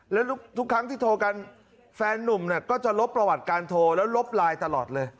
แล้วทุกครั้งที่โทรกันแฟนนุ่มก็จะลบประวัติการโทรแล้วลบไลน์ตลอดเลย